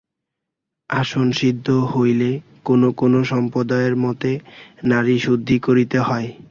আসন সিদ্ধ হইলে কোন কোন সম্প্রদায়ের মতে নাড়ীশুদ্ধি করিতে হয়।